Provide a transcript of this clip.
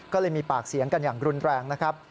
ก็เลยมีปากเสียงกันอย่างรุนแรงนะครับ